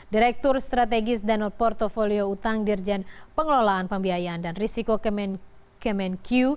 direktur strategis dan portfolio utang dirjen pengelolaan pembiayaan dan risiko kemenq